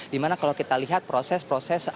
dimana kalau kita lihat proses proses